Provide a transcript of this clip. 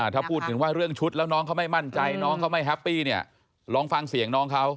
ถ้าพูดถึงว่าเรื่องชุดแล้วน้องเขาไม่มั่นใจน้องเขาไม่แฮปปี้เนี่ยลองฟังเสียงน้องเขา